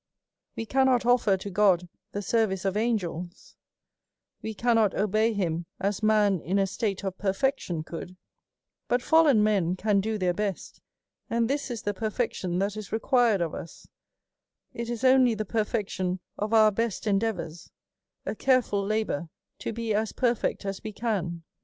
We cannot offer to God the service of angels ; we cannot obey him as man in a state of perfection could ; but fallen men can do their best, and this is the per fection that is required of us ; it is only the perfection of our best endeavours, a careful labour to be as per fect as we can.